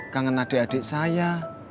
kangen adik adik saya